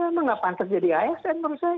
memang nggak pantas jadi asn menurut saya